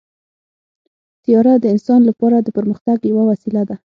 طیاره د انسان لپاره د پرمختګ یوه وسیله ده.